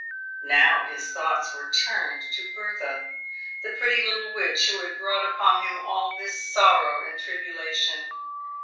Now his thoughts were turned to Bertha, the pretty little witch who had brought upon him all this sorrow and tribulation.